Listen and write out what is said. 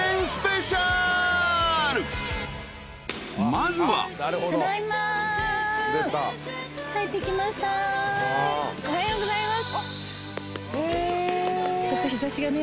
［まずは］おはようございます。